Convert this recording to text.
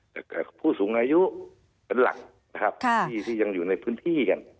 จะมีแต่ผู้สูงอายุหลักที่ยังอยู่ในพื้นที่กัน